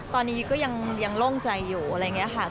ตอนนี้ก็ยังโล่งใจอยู่อะไรอย่างนี้ค่ะ